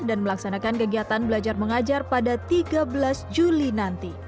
dan melaksanakan kegiatan belajar mengajar pada tiga belas juli nanti